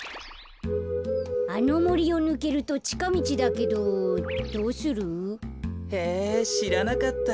あのもりをぬけるとちかみちだけどどうする？へえしらなかった。